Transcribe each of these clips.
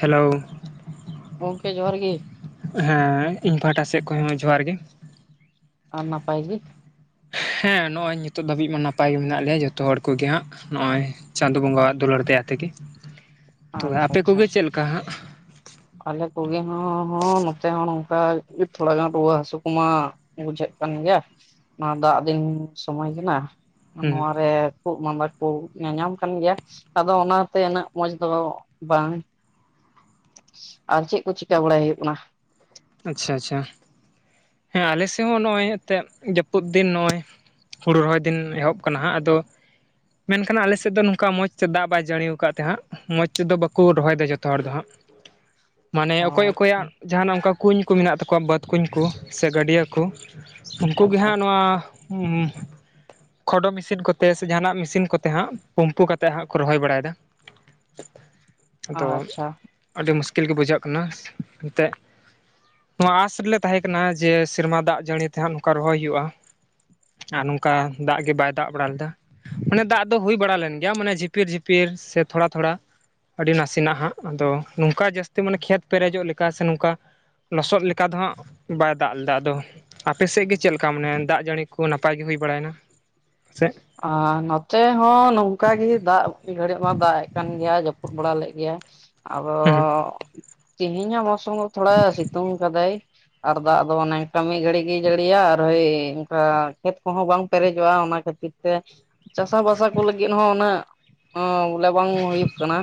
Hello ᱜᱚᱝᱠᱮ ᱡᱚᱦᱟᱨ ᱜᱮ᱾ ᱦᱮᱸ ᱤᱧ ᱯᱟᱦᱴᱟ ᱥᱮᱫ ᱠᱷᱚᱱ ᱦᱚᱸ ᱡᱚᱦᱟᱨ ᱜᱮ᱾ ᱟᱨ ᱱᱟᱯᱟᱭ ᱜᱮ? ᱦᱮᱸ ᱱᱚᱜᱼᱚᱭ ᱱᱤᱛᱚᱜ ᱫᱷᱟᱹᱵᱤᱡ ᱢᱟ ᱱᱟᱯᱟᱭ ᱜᱮ ᱢᱮᱱᱟᱜ ᱞᱮᱭᱟ ᱡᱚᱛᱚ ᱦᱚᱲ ᱠᱚᱜᱮ ᱦᱟᱸᱜ᱾ ᱱᱚᱜ ᱚᱭ ᱪᱟᱸᱫᱚ ᱵᱚᱸᱜᱟᱣᱟᱜ ᱫᱩᱞᱟᱹᱲ ᱫᱟᱭᱟ ᱛᱮᱜᱮ᱾ [inaudible] ᱛᱚ ᱟᱯᱮ ᱟᱪᱪᱷᱟ ᱠᱚᱜᱮ ᱪᱮᱫ ᱞᱮᱠᱟ ᱦᱟᱸᱜ? ᱟᱞᱮ ᱠᱚᱜᱮ ᱦᱚᱸ ᱱᱚᱛᱮ ᱦᱚᱸ ᱱᱚᱝᱠᱟ ᱛᱷᱚᱲᱟ ᱜᱟᱱ ᱨᱩᱣᱟᱹ ᱦᱟᱹᱥᱩ ᱠᱚᱢᱟ ᱵᱩᱡᱷᱟᱹᱜ ᱠᱟᱱ ᱜᱮᱭᱟ ᱱᱚᱣᱟ ᱫᱟᱜ ᱫᱤᱱ ᱥᱚᱢᱚᱭ ᱠᱟᱱᱟ ᱟᱨ ᱦᱩᱸ ᱱᱚᱣᱟ ᱨᱮ ᱠᱷᱩᱜ ᱢᱟᱸᱫᱟ ᱠᱚ ᱧᱟᱧᱟᱢ ᱠᱟᱱ ᱜᱮᱭᱟ ᱟᱫᱚ ᱚᱱᱟᱛᱮ ᱩᱱᱟᱹᱜ ᱢᱚᱡᱽ ᱫᱚ ᱵᱟᱝ ᱟᱨ ᱪᱮᱫ ᱠᱚ ᱪᱤᱠᱟᱹ ᱵᱟᱲᱟᱭ ᱦᱩᱭᱩᱜ ᱠᱟᱱᱟ? ᱟᱪᱪᱷᱟ ᱟᱪᱪᱷᱟ ᱦᱮᱸ ᱟᱞᱮ ᱥᱮᱫ ᱦᱚᱸ ᱱᱚᱜᱼᱚᱭ ᱮᱱᱛᱮᱫ ᱡᱟᱹᱯᱩᱫ ᱫᱤᱱ ᱱᱚᱜᱼᱚᱭ ᱦᱩᱲᱩ ᱨᱚᱦᱚᱭ ᱫᱤᱱ ᱮᱦᱚᱵ ᱠᱟᱱᱟ ᱦᱟᱸᱜ ᱟᱫᱚ ᱢᱮᱱᱠᱷᱟᱱ ᱟᱞᱮᱥᱮᱫ ᱫᱚ ᱱᱚᱝᱠᱟ ᱢᱚᱡᱽ ᱛᱮ ᱫᱟᱜ ᱵᱟᱭ ᱡᱟᱹᱲᱤᱟᱠᱟᱫ ᱛᱮ ᱦᱟᱸᱜ ᱢᱚᱡᱽ ᱛᱮᱫᱚ ᱵᱟᱠᱚ ᱨᱚᱦᱚᱭᱮᱫᱟ ᱡᱚᱛᱚ ᱦᱚᱲ ᱫᱚ ᱦᱟᱸᱜ᱾ [inaudible] ᱢᱟᱱᱮ ᱚᱠᱚᱭ ᱟᱪᱪᱷᱟ ᱚᱠᱚᱭᱟᱜ ᱡᱟᱦᱟᱱᱟᱜ ᱚᱱᱠᱟ ᱠᱩᱧ ᱠᱚ ᱢᱮᱱᱟᱜ ᱛᱟᱠᱚᱣᱟ ᱵᱟᱹᱫᱽ ᱠᱩᱧ ᱠᱚ ᱥᱮ ᱜᱟᱹᱰᱭᱟᱹ ᱠᱚ᱾ ᱩᱱᱠᱩ ᱜᱮ ᱟᱪᱪᱷᱟ ᱦᱟᱸᱜ ᱱᱚᱣᱟ ᱩᱸ ᱠᱷᱚᱰᱚ ᱢᱮᱥᱤᱱ ᱠᱚᱛᱮ ᱥᱮ ᱡᱟᱦᱟᱱᱟᱜ ᱢᱮᱥᱤᱱ ᱠᱚᱛᱮ ᱦᱟᱸᱜ ᱯᱩᱢᱯᱩ ᱠᱟᱛᱮᱫ ᱦᱟᱸᱜ ᱠᱚ ᱨᱚᱦᱚᱭ ᱵᱟᱲᱟᱭᱮᱫᱟ᱾ ᱟᱫᱚ ᱟᱪᱪᱷᱟ ᱟᱹᱰᱤ ᱢᱩᱥᱠᱤᱞ ᱜᱮ ᱵᱩᱡᱷᱟᱹᱜ ᱠᱟᱱᱟ ᱮᱱᱛᱮᱜ᱾ ᱱᱚᱣᱟ ᱟᱸᱥ ᱨᱮᱞᱮ ᱛᱟᱦᱮᱸ ᱠᱟᱱᱟ ᱡᱮ ᱥᱮᱨᱢᱟ ᱫᱟᱜ ᱡᱟᱹᱲᱤ ᱛᱮᱦᱟᱸᱜ ᱱᱚᱝᱠᱟ ᱨᱚᱦᱚᱭ ᱦᱩᱭᱩᱜᱼᱟ᱾ ᱟᱨ ᱱᱚᱝᱠᱟ ᱫᱟᱜ ᱜᱮ ᱵᱟᱭ ᱫᱟᱜ ᱵᱟᱲᱟ ᱞᱮᱫᱟ᱾ ᱢᱟᱱᱮ ᱫᱟᱜ ᱫᱚ ᱦᱩᱭ ᱵᱟᱲᱟ ᱞᱮᱱ ᱜᱮᱭᱟ ᱢᱟᱱᱮ ᱡᱷᱤᱯᱤᱨ ᱡᱷᱤᱯᱤᱨ ᱥᱮ ᱛᱷᱚᱲᱟ ᱛᱷᱚᱲᱟ, ᱟᱹᱰᱤ ᱱᱟᱥᱮᱱᱟᱜ ᱦᱟᱸᱜ ᱟᱫᱚ ᱱᱚᱝᱠᱟ ᱡᱟᱹᱥᱛᱤ ᱢᱟᱱᱮ ᱠᱷᱮᱛ ᱯᱮᱨᱮᱡᱚᱜ ᱞᱮᱠᱟ ᱥᱮ ᱱᱚᱝᱠᱟ ᱞᱚᱥᱚᱫ ᱞᱮᱠᱟ ᱫᱚ ᱦᱟᱸᱜ ᱵᱟᱭ ᱫᱟᱜ ᱞᱮᱫᱟ ᱟᱫᱚ᱾ ᱟᱯᱮᱥᱮᱫ ᱜᱮ ᱪᱮᱫ ᱞᱮᱠᱟ ᱢᱟᱱᱮ ᱫᱟᱜ ᱡᱟᱹᱲᱤ ᱠᱚ ᱱᱟᱯᱟᱭ ᱜᱮ ᱦᱩᱭ ᱵᱟᱲᱟᱭᱮᱱᱟ, ᱥᱮᱜ ᱟᱨ ᱱᱚᱛᱮ ᱦᱚᱸ ᱱᱚᱝᱠᱟᱜ ᱜᱮ ᱫᱟᱜ ᱜᱷᱟᱹᱲᱤᱡ ᱢᱟ ᱫᱟᱜ ᱮᱜ ᱠᱟᱱ ᱜᱮᱭᱟ ᱡᱟᱹᱯᱩᱫ ᱵᱟᱲᱟ ᱞᱮᱫ ᱜᱮᱭᱟ᱾ ᱟᱫᱚ ᱦᱩᱸ ᱛᱮᱦᱮᱧ ᱦᱚᱸ ᱢᱚᱣᱥᱚᱢ ᱛᱷᱚᱲᱟ ᱥᱤᱛᱩᱝ ᱠᱟᱫᱟᱭ᱾ ᱟᱨ ᱫᱟᱜ ᱫᱚ ᱚᱱᱮ ᱠᱟᱹᱢᱤ ᱢᱤᱫ ᱜᱷᱟᱹᱲᱤᱡ ᱜᱮ ᱡᱟᱹᱲᱤᱭᱟ ᱟᱨ ᱦᱳᱭ ᱚᱱᱠᱟ ᱠᱷᱮᱛ ᱠᱚᱦᱚᱸ ᱵᱟᱝ ᱯᱮᱨᱮᱡᱚᱜᱼᱟ ᱚᱱᱟ ᱠᱷᱟᱹᱛᱤᱨ ᱛᱤᱨ ᱛᱮ ᱪᱟᱥᱟ ᱵᱟᱥᱟ ᱠᱚ ᱞᱟᱹᱜᱤᱫ ᱦᱚᱸ ᱩᱱᱟᱹᱜ ᱦᱚᱸ ᱵᱚᱞᱮ ᱵᱟᱝ ᱦᱩᱭᱩᱜ ᱠᱟᱱᱟ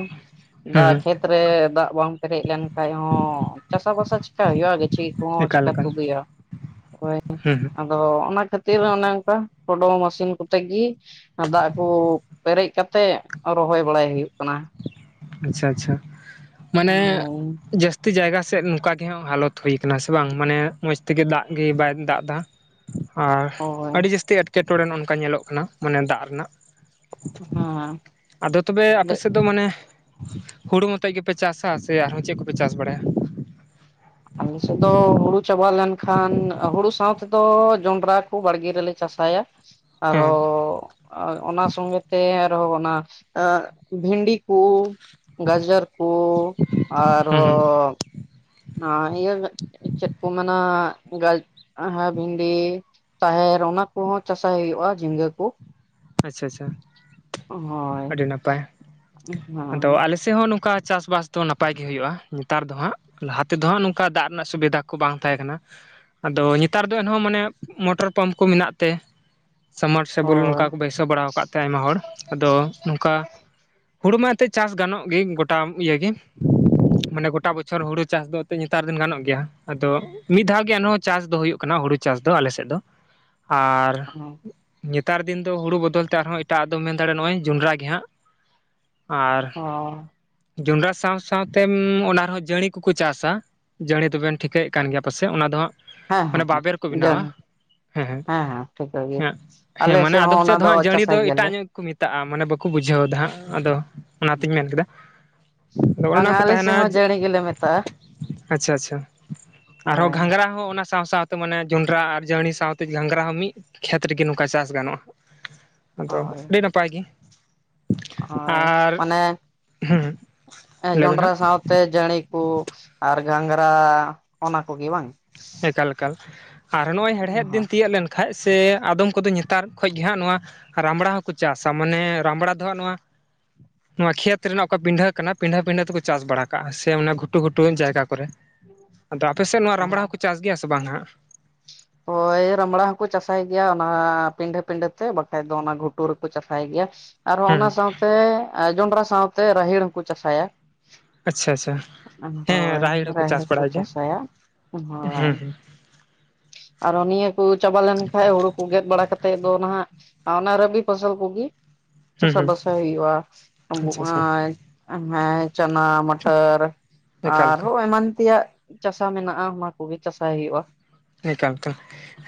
ᱦᱩᱸ ᱫᱟᱜ ᱦᱩᱸ ᱠᱷᱮᱛ ᱨᱮ ᱫᱟᱜ ᱵᱟᱝ ᱯᱮᱨᱮᱡ ᱞᱮᱱ ᱠᱷᱟᱡ ᱦᱚᱸ ᱪᱟᱥᱟ ᱵᱟᱥᱟ ᱪᱮᱠᱟ ᱦᱩᱭᱩᱜᱼᱟ ᱜᱟᱪᱷᱤ ᱠᱚᱦᱚᱸ ᱮᱠᱟᱞ ᱪᱤᱠᱟᱹ ᱮᱠᱟᱞ ᱛᱮ ᱜᱮᱭᱟ ᱦᱩᱸ ᱦᱩᱸ ᱟᱫᱚ ᱚᱱᱟ ᱠᱷᱟᱹᱛᱤᱨ ᱚᱱᱮ ᱚᱱᱠᱟ ᱴᱳᱰᱳ ᱢᱮᱥᱤᱱ ᱠᱚ ᱛᱮᱜᱤ ᱫᱟᱜ ᱠᱚ ᱯᱮᱨᱮᱡ ᱠᱟᱛᱮᱜ ᱨᱚᱦᱚᱭ ᱵᱟᱲᱟᱭ ᱦᱩᱭᱩᱜ ᱠᱟᱱᱟ᱾ ᱟᱪᱪᱷᱟ ᱟᱪᱪᱷᱟ ᱢᱟᱱᱮ ᱦᱳᱭ ᱡᱟᱹᱥ ᱛᱤ ᱡᱟᱭᱜᱟ ᱥᱮᱫ ᱱᱚᱝᱠᱟ ᱜᱮ ᱦᱟᱸᱜ ᱦᱟᱞᱚᱛ ᱦᱩᱭ ᱠᱟᱱᱟ ᱥᱮ ᱵᱟᱝ ᱢᱟᱱᱮ ᱢᱚᱸᱡᱽ ᱛᱮᱜᱮ ᱫᱟᱜ ᱜᱮ ᱵᱟᱭ ᱫᱟᱜ ᱫᱟ, ᱟᱨ ᱦᱳᱭ ᱟᱹᱰᱤ ᱡᱟᱹᱥᱛᱤ ᱮᱸᱴᱠᱮᱴᱚᱬᱮ ᱚᱱᱠᱟ ᱧᱮᱞᱚᱜ ᱠᱟᱱᱟ ᱢᱟᱱᱮ ᱫᱟᱜ ᱨᱮᱱᱟᱜ᱾ ᱦᱮᱸ ᱟᱫᱚ ᱛᱚᱵᱮ ᱟᱹᱰᱤ ᱟᱯᱮ ᱥᱮᱫ ᱫᱚ ᱢᱟᱱᱮ ᱦᱩᱲᱩ ᱢᱚᱛᱚᱡ ᱜᱮᱯᱮ ᱪᱟᱥᱟ ᱥᱮ ᱟᱨᱦᱚᱸ ᱪᱮᱫ ᱠᱚᱯᱮ ᱪᱟᱥ ᱵᱟᱲᱟᱭᱟ? ᱟᱞᱮ ᱥᱮᱫ ᱫᱚ ᱦᱩᱲᱩ ᱪᱟᱵᱟ ᱞᱮᱱᱠᱷᱟᱱ ᱦᱩᱲᱩ ᱥᱟᱶ ᱛᱮᱫᱚ ᱡᱚᱸᱰᱨᱟ ᱠᱚ ᱵᱟᱲᱜᱮ ᱨᱮᱞᱮ ᱪᱟᱥᱟᱭᱟ᱾ ᱟᱨᱦᱚ ᱦᱮᱸ ᱚᱱᱟ ᱥᱚᱸᱜᱮᱛᱮ ᱟᱨᱦᱚ ᱚᱱᱟ ᱵᱷᱤᱱᱰᱤ ᱠᱚ ᱜᱟᱡᱚᱨ ᱠᱚ ᱦᱩᱸ ᱦᱩᱸ ᱟᱨᱦᱚᱸ ᱦ ᱤᱭᱟᱹ ᱪᱮᱫ ᱠᱚ ᱢᱮᱱᱟᱜ ᱵᱷᱤᱱᱰᱤ ᱛᱟᱦᱮᱨ ᱚᱱᱟ ᱠᱚᱦᱚᱸ ᱪᱟᱥᱟᱭ ᱦᱩᱭᱩᱜᱼᱟ ᱡᱷᱤᱸᱜᱟᱹ ᱠᱚ ᱟᱪᱪᱷᱟ ᱟᱪᱪᱷᱟ ᱦᱳᱭ ᱟᱹᱰᱤ ᱱᱟᱯᱟᱭ ᱟᱫᱚ ᱦᱮᱸ ᱟᱞᱮ ᱥᱮᱫ ᱥᱮ ᱦᱚᱸ ᱱᱚᱝᱠᱟ ᱪᱟᱥ ᱵᱟᱥ ᱫᱚ ᱱᱟᱯᱟᱭ ᱜᱮ ᱦᱩᱭᱩᱜᱼᱟ ᱱᱮᱛᱟᱨ ᱫᱚ ᱦᱟᱸᱜ ᱞᱟᱦᱟ ᱛᱮᱫᱚ ᱦᱟᱸᱜ ᱱᱚᱝᱠᱟ ᱫᱟᱜ ᱨᱮᱱᱟᱜ ᱥᱩᱵᱤᱫᱷᱟ ᱠᱚ ᱵᱟᱝ ᱛᱟᱦᱮᱸ ᱠᱟᱱᱟ ᱟᱫᱚ ᱱᱮᱛᱟᱨ ᱫᱚ ᱮᱱᱦᱚᱸ ᱢᱟᱱᱮ ᱢᱚᱴᱚᱨ ᱯᱟᱢᱯ ᱠᱚ ᱢᱮᱱᱟᱜ ᱛᱮ ᱥᱚᱢᱟᱴ ᱥᱮᱵᱩᱞ ᱦᱳᱭ ᱱᱚᱝᱠᱟ ᱠᱚ ᱵᱟᱹᱭᱥᱟᱹᱣ ᱵᱟᱲᱟᱣ ᱠᱟᱜ ᱛᱮ ᱟᱭᱢᱟ ᱦᱚᱲ ᱟᱫᱚ ᱱᱚᱝᱠᱟ ᱦᱳᱲᱩ ᱢᱟ ᱮᱱᱛᱮᱫ ᱪᱟᱥ ᱜᱟᱱᱚᱜ ᱜᱮ ᱜᱚᱴᱟ ᱤᱭᱮ ᱜᱮ ᱢᱟᱱᱮ ᱜᱚᱴᱟ ᱵᱚᱪᱷᱚᱨ ᱦᱩᱲᱩ ᱪᱟᱥ ᱫᱚ ᱮᱱᱮᱫ ᱱᱮᱛᱟᱨ ᱫᱤᱱ ᱜᱟᱱᱚᱜ ᱜᱮᱭᱟ ᱟᱫᱚ ᱢᱤᱫ ᱫᱷᱟᱣ ᱜᱮ ᱟᱨᱦᱚᱸ ᱪᱟᱥ ᱫᱚ ᱦᱩᱭᱩᱜᱭᱴ ᱠᱟᱱᱟ ᱦᱩᱲᱩ ᱪᱟᱥ ᱫᱚ ᱟᱞᱮᱥᱮᱫ ᱫᱚ ᱟᱨ ᱦᱮᱸ ᱱᱮᱛᱟᱨ ᱫᱤᱱ ᱫᱚ ᱦᱩᱲᱩ ᱵᱚᱫᱚᱞ ᱛᱮ ᱟᱨᱦᱚᱸ ᱮᱴᱟᱜ ᱫᱚ ᱢᱮᱱ ᱫᱟᱲᱮᱭᱟᱜᱼᱟ ᱱᱚᱜ ᱚᱭ ᱡᱚᱸᱰᱨᱟ ᱜᱮᱦᱟᱸᱜ ᱟᱨ ᱡᱚᱱᱰᱨᱟ ᱥᱟᱶ ᱥᱟᱶᱛᱮ ᱚᱱᱟ ᱨᱮᱦᱚᱸ ᱡᱟᱹᱲᱤ ᱠᱚᱠᱚ ᱪᱟᱥᱟ ᱡᱟᱹᱲᱤ ᱫᱚᱵᱮᱱ ᱴᱷᱤᱠᱟᱹᱭᱮᱫ ᱠᱟᱱ ᱜᱮᱭᱟ ᱯᱟᱥᱮᱡ ᱚᱱᱟ ᱫᱚ ᱦᱟᱸᱜ ᱦᱮᱸ ᱢᱟᱱᱮ ᱵᱟᱵᱮᱨ ᱠᱚ ᱵᱮᱱᱟᱣᱟ ᱦᱮᱸ ᱦᱮᱸ ᱦᱮᱸ ᱦᱮᱸ ᱦᱮᱸ ᱟᱞᱮ ᱢᱟᱱᱮ ᱦᱚᱸ ᱟᱫᱚᱢ ᱚᱱᱟ ᱥᱮᱫ ᱫᱚ ᱦᱟᱸᱜ ᱡᱟᱹᱲᱤ ᱫᱚ ᱪᱟᱥᱟᱭ ᱜᱮᱭᱟᱞᱮ ᱮᱴᱟᱜ ᱧᱚᱜ ᱜᱮ ᱠᱚ ᱢᱮᱛᱟᱜᱼᱟ ᱢᱟᱱᱮ ᱵᱟᱠᱚ ᱵᱩᱡᱷᱟᱹᱣ ᱮᱫᱟ ᱦᱟᱸᱜ ᱟᱫᱚ ᱦᱮᱸ ᱚᱱᱟᱛᱤᱧ ᱢᱮᱱ ᱠᱮᱫᱟ ᱟᱫᱚ ᱚᱱᱮ ᱵᱟᱝᱟ ᱚᱱᱟ ᱠᱚ ᱟᱞᱮ ᱛᱟᱦᱮᱱᱟ ᱥᱮᱫ ᱦᱚᱸ ᱡᱟᱹᱲᱤ ᱜᱮᱞᱮ ᱢᱮᱛᱟᱜᱼᱟ ᱟᱪᱪᱷᱟ ᱟᱪᱪᱷᱟ ᱟᱨᱦᱚᱸ ᱦᱳᱭ ᱜᱷᱟᱸᱝᱽᱨᱟ ᱚᱱᱟ ᱥᱟᱶ ᱥᱟᱶᱛᱮ ᱢᱟᱱᱮ ᱡᱚᱱᱰᱨᱟ ᱟᱨ ᱡᱟᱹᱲᱤ ᱥᱟᱶᱛᱮ ᱜᱷᱟᱜᱽᱨᱟ ᱦᱚᱸ ᱢᱤᱫ ᱠᱷᱮᱛ ᱨᱮᱜᱮ ᱱᱚᱝᱠᱟ ᱪᱟᱥ ᱜᱟᱱᱚᱜᱼᱟ ᱟᱫᱚ ᱟᱹᱰᱤ ᱱᱟᱯᱟᱭ ᱜᱮ ᱦᱚᱭ ᱟᱨ ᱚᱱᱮ ᱦᱮᱸ ᱢᱟᱱᱮ ᱞᱟᱹᱭᱵᱮᱱ ᱡᱚᱱᱰᱨᱟ ᱦᱟᱸᱜ ᱥᱟᱶ ᱛᱮ ᱡᱟᱹᱲᱤ ᱠᱚ ᱟᱨ ᱜᱷᱟᱝᱸᱜᱽᱨᱟ ᱚᱱᱟ ᱠᱚᱜᱮ ᱵᱟᱝ ᱮᱠᱟᱞᱠᱟᱞ ᱟᱨ ᱱᱚᱜᱼᱚᱭ ᱦᱮᱲᱦᱮᱫ ᱫᱤᱱ ᱛᱤᱭᱳᱜ ᱞᱮᱱᱠᱷᱟᱱ ᱠᱷᱟᱡ ᱥᱮ ᱟᱫᱚᱢ ᱠᱚᱫᱚ ᱱᱮᱛᱟᱨ ᱠᱷᱚᱡ ᱜᱮ ᱦᱟᱸᱜ ᱱᱚᱣᱟ ᱨᱟᱢᱲᱟ ᱦᱚᱸᱠᱚ ᱪᱟᱥᱟ ᱢᱟᱱᱮ ᱨᱟᱢᱲᱟ ᱫᱚ ᱦᱟᱸᱜ ᱱᱚᱣᱟ ᱱᱚᱣᱟ ᱠᱷᱮᱛ ᱨᱮᱱᱟᱜ ᱚᱠᱟ ᱯᱤᱰᱟᱹ ᱠᱟᱱᱟ ᱯᱤᱰᱷᱟᱹ ᱯᱤᱰᱟᱹ ᱛᱮᱠᱚ ᱪᱟᱥ ᱵᱟᱲᱟ ᱠᱟᱜᱼᱟ ᱥᱮ ᱚᱱᱟ ᱜᱷᱩ ᱜᱷᱩᱴᱩ ᱡᱟᱭᱜᱟ ᱠᱚᱨᱮ ᱟᱫᱚ ᱟᱯᱮ ᱥᱮᱫ ᱱᱚᱣᱟ ᱨᱟᱢᱵᱲᱟ ᱦᱚᱸᱠᱚ ᱪᱟᱥ ᱜᱮᱭᱟ ᱥᱮ ᱵᱟᱝ ᱦᱟᱜ ᱦᱳᱭ ᱨᱟᱢᱲᱟ ᱦᱚᱸᱠᱚ ᱪᱟᱥᱟᱭ ᱜᱮᱭᱟ ᱚᱱᱟ ᱯᱤᱰᱟᱹ ᱯᱤᱸᱰᱟᱹ ᱛᱮ ᱵᱟᱠᱷᱟᱡ ᱫᱚ ᱚᱱᱟ ᱜᱷᱩᱴᱩ ᱨᱮᱠᱚ ᱪᱟᱥᱟᱭ ᱜᱮᱭᱟ ᱟᱨᱦᱚᱸ ᱚᱱᱟ ᱦᱩᱸ ᱥᱟᱶᱛᱮ ᱡᱚᱸᱰᱨᱟ ᱥᱟᱶᱛᱮ ᱨᱟᱦᱮᱲ ᱦᱚᱸᱠᱚ ᱪᱟᱥᱟᱭᱟ ᱟᱪᱪᱷᱟ ᱟᱪᱪᱷᱟ ᱦᱮᱸ ᱦᱮᱸ ᱦᱳᱭ ᱦᱚᱸᱠᱚ ᱨᱟᱦᱮᱲ ᱪᱟᱥ ᱦᱚᱠᱚ ᱵᱟᱲᱟᱭ ᱜᱮᱭᱟ ᱪᱟᱥᱟᱭᱟ ᱦᱳᱭ ᱦᱩᱸ ᱟᱨᱚ ᱱᱤᱭᱟᱹ ᱠᱚ ᱪᱟᱵᱟ ᱞᱮᱱᱠᱷᱟᱡ ᱦᱩᱲᱩ ᱠᱚ ᱜᱮᱫ ᱵᱟᱲᱟ ᱠᱟᱛᱮᱫ ᱫᱚ ᱱᱟᱦᱟᱜ ᱚᱱᱟ ᱨᱮ ᱢᱤᱫ ᱯᱷᱚᱥᱚᱞ ᱠᱚᱜᱮ ᱦᱩᱸ ᱦᱩᱸ ᱪᱟᱥᱟ ᱦᱩᱸ ᱵᱟᱥᱟ ᱦᱩᱭᱩᱜᱼᱟ ᱟᱪᱪᱷᱟ ᱚᱱᱟ ᱟᱪᱪᱷᱟ ᱦᱮᱸ ᱪᱟᱱᱟ ᱢᱚᱴᱚᱨ ᱮᱠᱟᱞ ᱮᱠᱟᱞ ᱟᱨᱦᱚᱸ ᱮᱢᱟᱱ ᱛᱮᱭᱟᱜ ᱪᱟᱥᱟ ᱢᱮᱱᱟᱜᱼᱟ ᱚᱱᱟ ᱠᱚᱜᱮ ᱪᱟᱥᱟᱭ ᱦᱩᱭᱩᱜᱼᱟ ᱮᱠᱟᱞᱛᱮ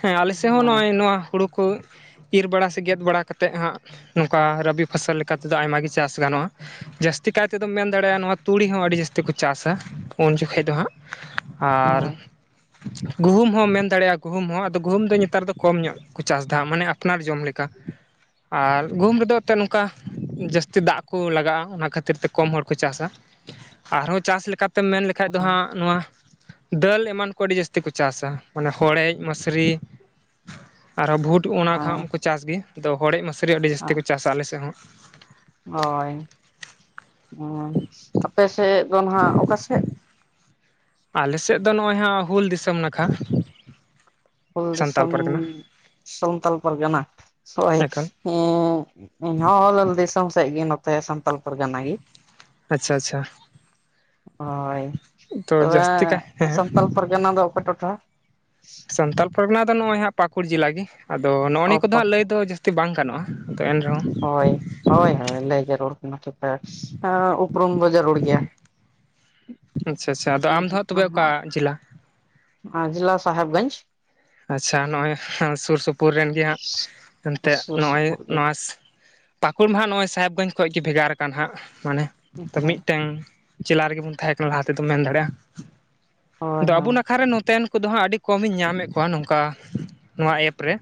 ᱦᱮᱸ ᱟᱞᱮᱥᱮᱫ ᱦᱚᱸ ᱦᱳᱭ ᱱᱚᱜᱼᱚᱭ ᱱᱚᱣᱟ ᱦᱩᱲᱩ ᱠᱚ ᱤᱨ ᱵᱟᱲᱟ ᱥᱮ ᱜᱮᱫ ᱵᱟᱲᱟ ᱠᱟᱛᱮᱫ ᱦᱟᱸᱜ ᱱᱚᱝᱠᱟ ᱨᱟᱵᱤ ᱯᱷᱚᱥᱚᱞ ᱞᱮᱠᱟᱛᱮᱫᱚ ᱟᱭᱢᱟᱜ ᱜᱮ ᱪᱟᱥ ᱜᱟᱱᱚᱜᱼᱟ ᱡᱟᱹᱥᱛᱤ ᱠᱟᱭ ᱛᱮᱫᱚᱢ ᱢᱮᱱ ᱫᱟᱲᱮᱭᱟᱜᱼᱟ ᱱᱚᱣᱟ ᱛᱩᱲᱤ ᱦᱚᱸ ᱟᱹᱰᱤ ᱡᱟᱹᱥᱛᱤ ᱠᱚ ᱪᱟᱥᱟ ᱩᱱ ᱡᱚᱠᱷᱚᱱ ᱫᱚ ᱦᱟᱸᱜ ᱟᱨ ᱦᱳᱭ ᱜᱩᱦᱩᱢ ᱜᱩᱢ ᱢᱮᱱ ᱫᱟᱲᱮᱭᱟᱜᱼᱟ ᱜᱩᱦᱩᱢ ᱟᱫᱚ ᱜᱩᱦᱩᱢ ᱫᱚ ᱱᱮᱛᱟᱨ ᱫᱚ ᱠᱚ ᱧᱚᱜ ᱠᱚ ᱪᱟᱥ ᱮᱫᱟ ᱢᱟᱱᱮ ᱟᱯᱱᱟᱨ ᱡᱚᱢ ᱞᱮᱠᱟ ᱟᱨ ᱜᱩᱦᱩᱢ ᱨᱮᱫᱚ ᱮᱱᱛᱮᱫ ᱱᱚᱝᱠᱟ ᱡᱟᱹᱥᱛᱤ ᱫᱟᱜ ᱠᱚ ᱞᱟᱜᱟᱜᱼᱟ ᱚᱱᱟ ᱠᱷᱟᱹᱛᱤᱨ ᱛᱮ ᱠᱚᱢ ᱦᱚᱲ ᱠᱚ ᱪᱟᱥᱟ ᱟᱨᱦᱚᱸ ᱪᱟᱥ ᱞᱮᱠᱟᱛᱮ ᱛᱮᱢ ᱢᱮᱱ ᱞᱮᱠᱷᱟᱡ ᱫᱚ ᱦᱟᱸᱜ ᱱᱚᱣᱟ ᱫᱟᱹᱞ ᱮᱢᱟᱱ ᱠᱚ ᱟᱹᱰᱤ ᱡᱟᱹᱥᱛᱤ ᱠᱚ ᱪᱟᱥᱟ ᱢᱟᱱᱮ ᱦᱚᱲᱮᱡ ᱢᱟᱥᱨᱤ ᱟᱨᱦᱚᱸ ᱵᱷᱩᱴ ᱚᱱᱟ ᱠᱷᱚᱱ ᱠᱚ ᱪᱟᱥ ᱜᱮ ᱟ ᱦᱚᱲᱮᱡ ᱢᱟᱥᱨᱤ ᱥᱟᱹᱨᱤ ᱟᱹᱰᱤ ᱡᱟᱹᱥᱛᱤ ᱦᱳᱭ ᱠᱚ ᱪᱟᱥᱟ ᱟᱞᱮᱥᱮᱫ ᱦᱚᱸ ᱦᱳᱭ ᱟᱯᱮ ᱥᱮᱫ ᱫᱚ ᱱᱟᱦᱟᱜ ᱚᱠᱟᱥᱮᱫ ᱟᱞᱮ ᱥᱮᱫ ᱫᱚ ᱱᱚᱜᱼᱚᱭ ᱦᱟᱜ ᱦᱩᱞ ᱫᱤᱥᱚᱢ ᱱᱟᱠᱷᱟ ᱦᱩᱞ ᱥᱟᱱᱛᱟᱞ ᱫᱤᱥᱚᱢ ᱯᱟᱨᱜᱟᱱᱟ ᱥᱟᱱᱛᱟᱞ ᱯᱟᱨᱜᱟᱱᱟ ᱦᱳᱭ ᱮᱠᱟᱞ ᱦᱮᱸ ᱤᱧ ᱦᱚᱸ ᱦᱩᱞ ᱫᱤᱥᱚᱢ ᱥᱮᱫ ᱜᱮ ᱱᱚᱛᱮ ᱥᱟᱱᱛᱟᱞ ᱯᱟᱨᱜᱟᱱᱟ ᱜᱮ ᱟᱪᱪᱷᱟ ᱟᱪᱪᱷᱟ ᱦᱳᱭ ᱛᱚ ᱛᱚᱵᱮ ᱡᱟᱹᱥᱛᱤ ᱠᱟᱭ ᱦᱮᱸ ᱦᱮᱸ ᱥᱟᱱᱛᱟᱞ ᱯᱟᱨᱜᱟᱱᱟ ᱫᱚ ᱚᱠᱟ ᱴᱚᱴᱷᱟ ᱥᱟᱱᱛᱟᱞ ᱯᱚᱨᱜᱟᱱᱟ ᱫᱚ ᱱᱚᱜᱼᱚᱭ ᱦᱟᱸᱜ ᱯᱟᱹᱠᱩᱲ ᱡᱤᱞᱟ ᱜᱮ ᱟᱫᱚ ᱱᱚᱜᱼᱚᱭ ᱱᱤᱭᱟᱹ ᱠᱚᱫᱚ ᱦᱟᱸᱜ ᱞᱟᱹᱭ ᱫᱚ ᱡᱟᱹᱥ ᱛᱤ ᱵᱟᱝ ᱜᱟᱱᱚᱜᱼᱟ ᱟᱫᱚ ᱮᱱ ᱨᱮᱦᱚᱸ ᱦᱳᱭ ᱦᱳᱭ ᱦᱳᱭ ᱞᱟᱹᱭ ᱡᱟᱹᱨᱩᱲ ᱠᱟᱱᱟ ᱴᱷᱤᱠᱟᱹ ᱩᱯᱨᱩᱢ ᱫᱚ ᱡᱟᱹᱨᱩᱲ ᱜᱮᱭᱟ ᱟᱪᱪᱷᱟ ᱟᱪᱪᱷᱟ ᱟᱫᱚ ᱟᱢ ᱫᱚ ᱦᱟᱸᱜ ᱛᱚᱵᱮ ᱚᱠᱟ ᱡᱤᱞᱟ ᱡᱤᱞᱟ ᱥᱟᱦᱮᱵᱽᱜᱚᱸᱡᱽ ᱟᱪᱪᱷᱟ ᱱᱚᱜᱼᱚᱭ ᱥᱩᱨ ᱥᱩᱯᱩᱨ ᱨᱮᱱ ᱜᱮ ᱦᱟᱸᱜ ᱮᱱᱛᱮᱜ ᱥᱩᱨ ᱱᱚᱜᱼᱚᱭ ᱥᱩᱯᱩᱨ ᱜᱮ ᱱᱚᱣᱟ ᱯᱟᱹᱠᱩᱲ ᱢᱟᱦᱟᱸᱜ ᱱᱚᱜᱼᱚᱭ ᱥᱟᱦᱮᱵᱽᱜᱚᱸᱡᱽ ᱠᱷᱚᱡ ᱜᱮ ᱵᱷᱮᱜᱟᱨ ᱟᱠᱟᱱ ᱦᱟᱸᱜ ᱢᱟᱱᱮ ᱛᱚ ᱦᱳᱭ ᱢᱤᱫᱴᱮᱱ ᱡᱮᱞᱟ ᱨᱮᱜᱮ ᱵᱚᱱ ᱛᱟᱦᱮᱸ ᱠᱟᱱᱟ ᱞᱟᱦᱟ ᱛᱮᱫᱚᱱ ᱢᱮᱱ ᱫᱟᱲᱮᱭᱟᱜᱼᱟ ᱦᱳᱭ ᱟᱫᱚ ᱟᱵᱚ ᱦᱳᱭ ᱱᱟᱠᱷᱟᱨᱮ ᱱᱚᱛᱮᱱ ᱩᱱᱠᱩᱫᱚ ᱦᱟᱸᱜ ᱟᱹᱰᱤ ᱠᱚᱢᱤᱧ ᱧᱟᱢᱮᱫ ᱠᱚᱣᱟ ᱱᱚᱝᱠᱟ ᱱᱚᱣᱟ ᱮᱯ ᱨᱮ